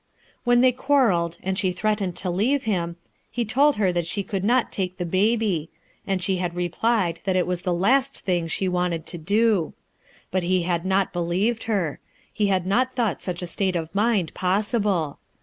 When they quarrelled, and she threatened to leave him, he had told her that she could not take the baby, and she had replied that it was the last thing she wanted to do. But he had not believed her; he had not thought such a state of mind possible.